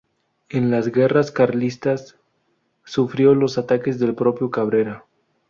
En las guerras carlistas sufrió los ataques del propio Cabrera.